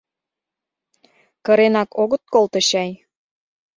Кыренак огыт колто чай?